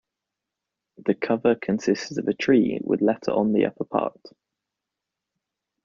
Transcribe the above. The cover consists of a tree with letter on the upper part.